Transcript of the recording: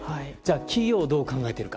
企業はどう考えているか。